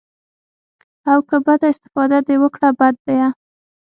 او که بده استفاده دې وکړه بد ديه.